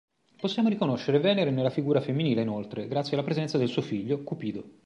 Possiamo riconoscere Venere nella figura femminile, inoltre, grazie alla presenza del suo figlio, Cupido.